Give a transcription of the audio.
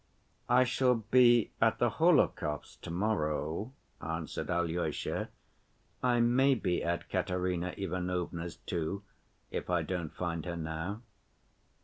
"I shall be at the Hohlakovs' to‐morrow," answered Alyosha, "I may be at Katerina Ivanovna's, too, if I don't find her now."